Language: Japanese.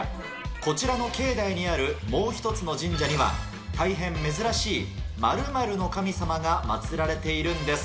こちらの境内にあるもう１つの神社には、大変珍しい○○の神様が祭られているんです。